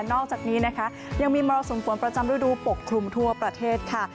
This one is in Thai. อกจากนี้นะคะยังมีมรสุมฝนประจำฤดูปกคลุมทั่วประเทศค่ะ